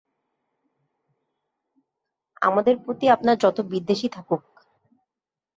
আমাদের প্রতি আপনার যত বিদ্বেষই থাকুক।